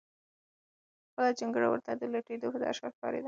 خپله جونګړه ورته د لوټېدو په درشل ښکارېده.